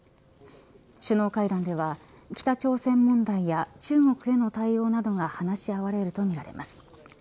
首脳会談では北朝鮮問題や中国への対応などが話し合われるとみられます。